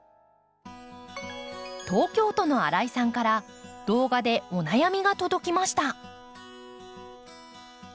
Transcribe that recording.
東京都の新井さんから動画でお悩みが届きました。